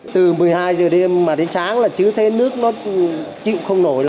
từ một mươi hai giờ đêm mà đến sáng là chứ thế nước nó chìm không nổi